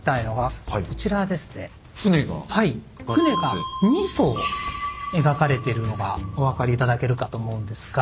船が２艘描かれてるのがお分かり頂けるかと思うんですが。